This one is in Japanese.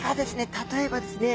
例えばですね